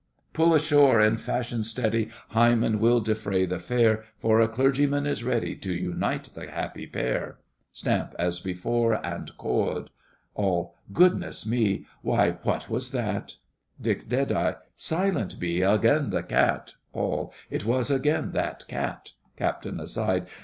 Pull ashore, in fashion steady, Hymen will defray the fare, For a clergyman is ready To unite the happy pair! (Stamp as before, and Chord.) ALL. Goodness me, Why, what was that? DICK. Silent be, Again the cat! ALL. It was again that cat! CAPT. (aside).